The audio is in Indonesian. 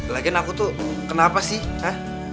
lagian aku tuh kenapa sih ah